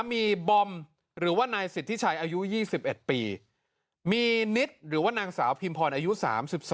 มีบอมหรือว่านายสิทธิชัยอายุ๒๑ปีมีนิดหรือว่านางสาวพิมพรอายุ๓๒